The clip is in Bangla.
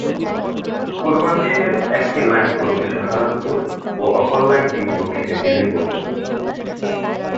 পূর্বাংশের একটি লাইন পূর্বে সাহারানপুর ও অপর লাইনটি দক্ষিণে দিল্লি পর্যন্ত গিয়েছে।